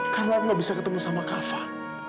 karena aku nggak bisa ketemu sama kak fah